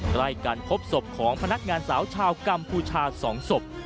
ใกล้กันพบศพของพนักงานสาวชาวกัมพูชา๒ศพ